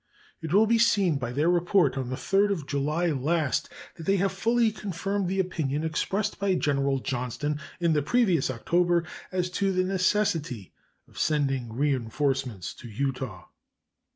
It will be seen by their report of the 3d of July last that they have fully confirmed the opinion expressed by General Johnston in the previous October as to the necessity of sending reenforcements to Utah.